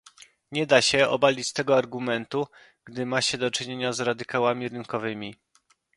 Nie da się obalić tego argumentu, gdy ma się do czynienia z radykałami rynkowymi